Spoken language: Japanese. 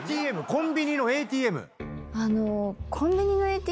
コンビニのＡＴＭ？